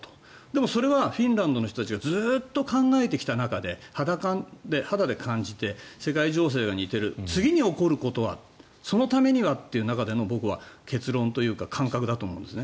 でもそれはフィンランドの人たちがずっと考えてきた中で肌で感じて世界情勢が似ている次に起こることはそのためにはという中での僕は結論というか感覚だと思うんです。